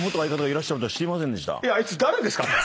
いやあいつ誰ですかね？